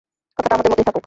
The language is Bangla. কথাটা আমাদের মধ্যেই থাকুক?